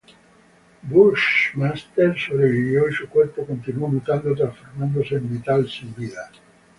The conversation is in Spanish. Bushmaster sobrevivió y su cuerpo continuó mutando, transformándose en metal sin vida.